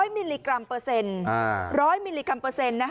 ๑๐๐มิลลิกรัมเปอร์เซ็นต์